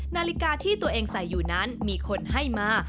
นาฬิกาที่ตัวเองใส่อยู่นั้นมีคนให้มา